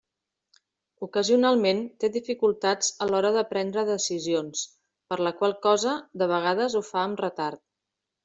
Ocasionalment té dificultats a l'hora de prendre decisions, per la qual cosa, de vegades ho fa amb retard.